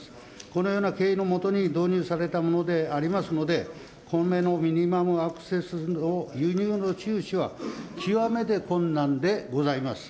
このような経緯の下に導入されたものでありますので、米のミニマムアクセスの中止は、輸入の中止は、極めて困難でございます。